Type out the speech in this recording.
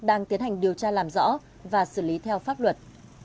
đang tiến hành điều tra làm rõ và xử lý theo pháp luật